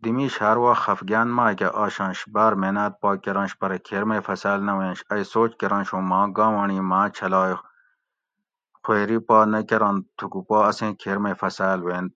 دی میش ھار وخت خفگان ماۤکہ آشنش بار محنات پا کرنش پرہ کھیر میٔ فصال نہ ووینش ائ سوچ کرنش ھوں ماں گاونڑی ما چھلائ خویری پا نہ کرنت تھوکو پا اسیں کھیر میٔ فصال ووینت